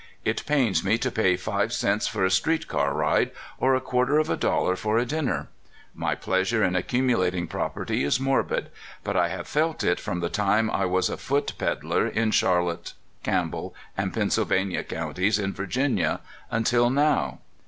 It pains me to pay iwG cents for a street car ride, or a quarter of a dollar for a dinner. My pleasure in accumulating property is morbid, but I have MIKK REESE. 243 felt it from the time I was a foot peddler in Char lotte, Campbell, and Pittsylvania Counties, in Vir ginia, until now.